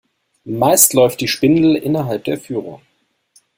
Meist läuft die Spindel innerhalb der Führung.